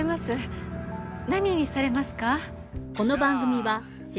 何にされますか？